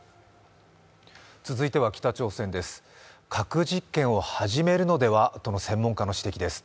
続いては北朝鮮です。